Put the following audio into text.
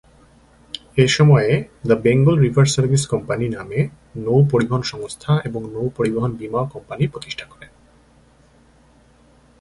এ সময়ে "the Bengal River Service Company" নামে নৌ-পরিবহন সংস্থা এবং নৌ-পরিবহন বীমা কোম্পানি প্রতিষ্ঠা করেন।